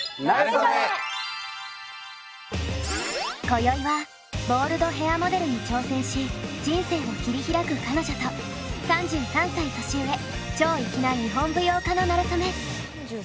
こよいはボールドヘアモデルに挑戦し人生を切り開く彼女と３３歳年上超粋な日本舞踊家のなれそめ。